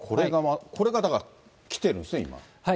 これがだから来てるんですね、はい。